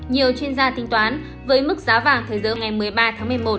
nhiều chuyên gia tính toán với mức giá vàng thế giới ngày một mươi ba tháng một mươi một